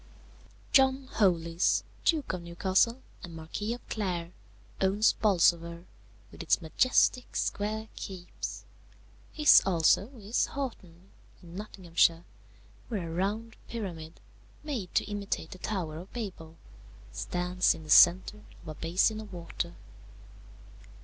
"John Holies, Duke of Newcastle, and Marquis of Clare, owns Bolsover, with its majestic square keeps; his also is Haughton, in Nottinghamshire, where a round pyramid, made to imitate the Tower of Babel, stands in the centre of a basin of water.